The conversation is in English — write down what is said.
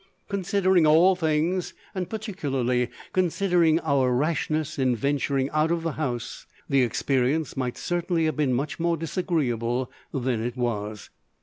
Considering all things, and particularly considering our rashness in venturing out of the house, the experience might certainly have been much more disagreeable than it was.